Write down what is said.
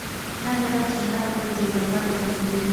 لنډه دا چې هره ورځ یو نفر زخمي کیږي.